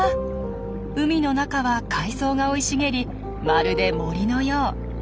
海の中は海藻が生い茂りまるで森のよう。